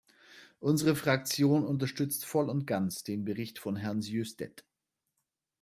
Unsere Fraktion unterstützt voll und ganz den Bericht von Herrn Sjöstedt.